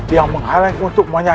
yang menghalangi untuk menjaga aku